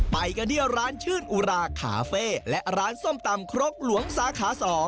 ไปกันที่ร้านชื่นอุราคาเฟ่และร้านส้มตำครกหลวงสาขา๒